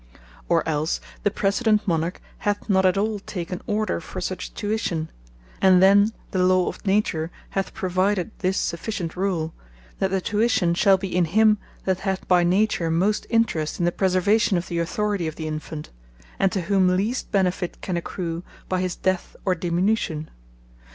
Or else the precedent Monarch, hath not at all taken order for such Tuition; And then the Law of Nature hath provided this sufficient rule, That the Tuition shall be in him, that hath by Nature most interest in the preservation of the Authority of the Infant, and to whom least benefit can accrue by his death, or diminution.